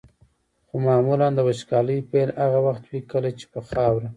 خو معمولا د وچکالۍ پیل هغه وخت وي کله چې په خاوره.